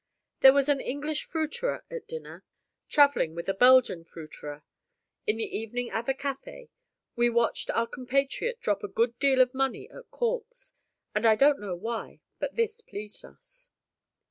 There was an English fruiterer at dinner, travelling with a Belgian fruiterer; in the evening at the café, we watched our compatriot drop a good deal of money at corks; and I don't know why, but this pleased us.